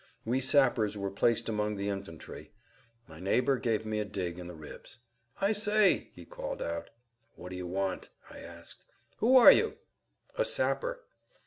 We sappers were placed among the infantry. My neighbor gave me a dig in the ribs. "I say," he called out. "What do you want?" I asked. "Who are you?" "A sapper."